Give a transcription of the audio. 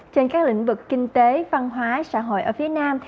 trên các lĩnh vực kinh tế văn hóa xã hội ở phía nam